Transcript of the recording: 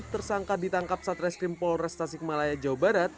tersangka ditangkap satreskrim polores tasik malaya jawa barat